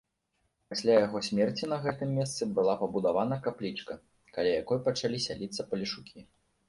Пасля яго смерці на гэтым месцы была пабудавана каплічка, каля якой пачалі сяліцца палешукі.